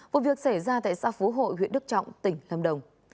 vụ việc xảy ra tại xã phú hội huyện đức trọng tỉnh lâm đồng